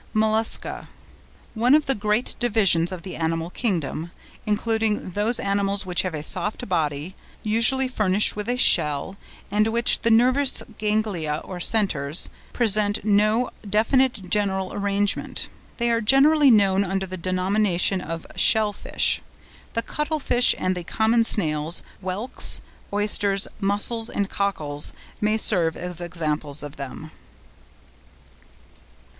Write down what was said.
MOLLUSCA.—One of the great divisions of the animal kingdom, including those animals which have a soft body, usually furnished with a shell, and in which the nervous ganglia, or centres, present no definite general arrangement. They are generally known under the denomination of "shellfish"; the cuttle fish, and the common snails, whelks, oysters, mussels, and cockles, may serve as examples of them.